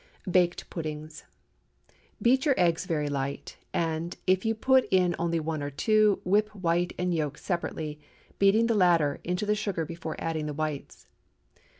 BAKED PUDDINGS. Beat your eggs very light—and, if you put in only one or two, whip white and yolk separately, beating the latter into the sugar before adding the whites.